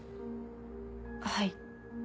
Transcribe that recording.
はい。